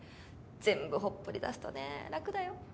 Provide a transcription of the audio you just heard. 全部ほっぽりだすとね楽だよ？